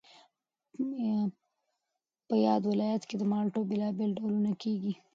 په یاد ولایت کې د مالټو بېلابېل ډولونه کېږي